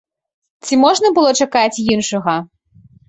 Ці можна было чакаць іншага?